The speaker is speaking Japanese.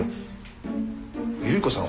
百合子さん